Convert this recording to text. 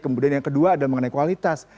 kemudian yang kedua adalah mengenai kualitas